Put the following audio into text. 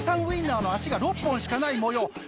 ウインナーの足が６本しかないもよう。